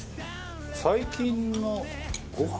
最近のご飯。